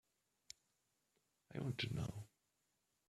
I want to know.